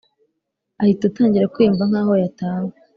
ahita atangira kwiyumva nkaho yatawe